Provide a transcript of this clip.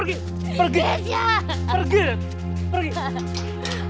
aku ingin ketemu dengan keisha mas